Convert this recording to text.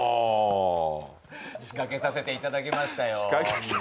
仕掛けさせていただきましたよ。